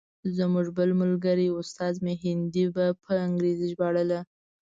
زموږ بل ملګري استاد مهدي به په انګریزي ژباړله.